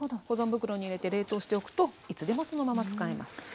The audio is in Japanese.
保存袋に入れて冷凍しておくといつでもそのまま使えます。